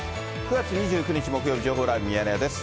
９月２９日木曜日、情報ライブミヤネ屋です。